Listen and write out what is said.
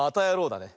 だね。